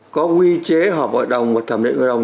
có quy chế họp hội đồng và thẩm định hội đồng